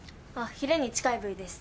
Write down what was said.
ヒレに近い部位です。